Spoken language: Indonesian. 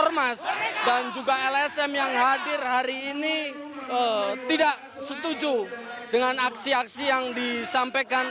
ormas dan juga lsm yang hadir hari ini tidak setuju dengan aksi aksi yang disampaikan